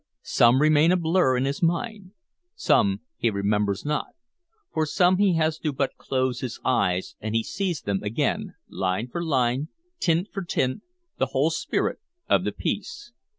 Some remain a blur in his mind; some he remembers not; for some he has but to close his eyes and he sees them again, line for line, tint for tint, the whole spirit of the piece.